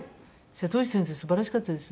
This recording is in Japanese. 瀬戸内先生素晴らしかったですね。